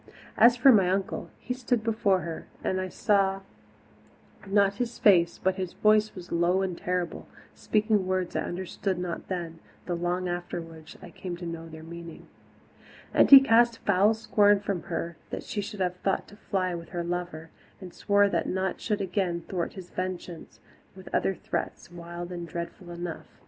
As for my uncle, he stood before her and I saw not his face, but his voice was low and terrible, speaking words I understood not then, though long afterwards I came to know their meaning. And he cast foul scorn at her that she should have thought to fly with her lover, and swore that naught should again thwart his vengeance, with other threats, wild and dreadful enough.